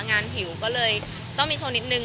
งานหิวก็เลยต้องมีโชว์นิดนึง